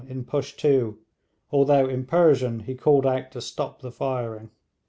in Pushtoo, although in Persian he called out to stop the firing.'